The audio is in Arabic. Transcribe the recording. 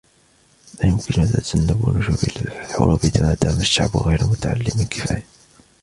لا يمكن تجنب نشوب الحروب مادام الشعب غير متعلم كفاية